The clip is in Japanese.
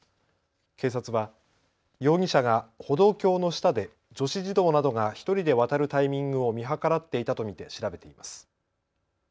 警察は容疑者が歩道橋の下で女子児童などが１人で渡るタイミングを見計らっていたと見て調べています。